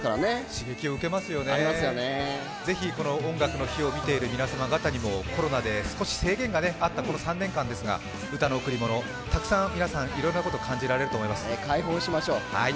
刺激受けますよね、ぜひこの「音楽の日」を見ている皆さん方にもコロナで少し制限があったこの３年間ですが歌の贈り物、たくさん皆さん、いろんなこと感じられると思います。